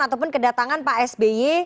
ataupun kedatangan pak sby